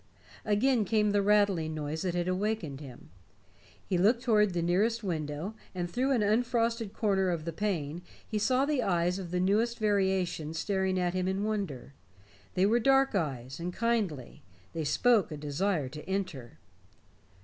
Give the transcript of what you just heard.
Again came the rattling noise that had awakened him. He looked toward the nearest window, and through an unfrosted corner of the pane he saw the eyes of the newest variation staring at him in wonder. They were dark eyes, and kindly; they spoke a desire to enter.